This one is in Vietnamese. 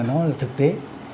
nó thực tế